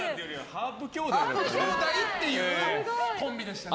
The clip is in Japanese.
ハープ兄弟っていうコンビでしたね。